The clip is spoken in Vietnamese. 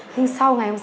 nhưng sau ngày hôm sau